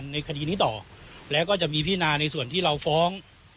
ในคดีนี้ต่อแล้วก็จะมีพินาในส่วนที่เราฟ้อง